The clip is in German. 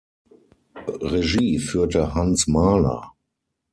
Regie führte Hans Mahler.